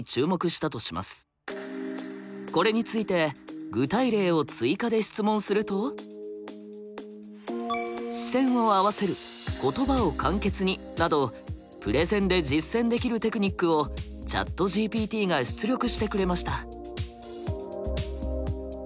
これについて具体例を追加で質問すると。などプレゼンで実践できるテクニックをＣｈａｔＧＰＴが出力してくれました。